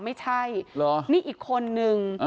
ไม่ใช่นี่อีกคนนึง